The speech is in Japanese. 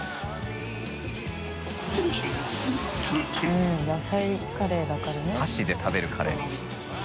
うん野菜カレーだからね。